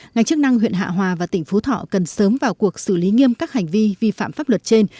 ngành chức năng huyện hạ hòa và tỉnh phú thọ cần sớm vào cuộc xử lý nghiêm các hành vi vi phạm pháp luật trên